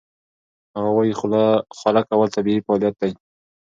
هغه وايي خوله کول طبیعي فعالیت دی.